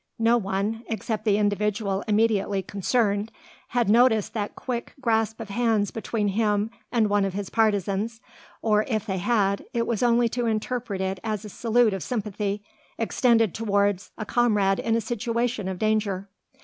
No one except the individual immediately concerned had noticed that quick grasp of hands between him and one of his partisans; or, if they had, it was only to interpret it as a salute of sympathy, extended towards a comrade in a situation of danger.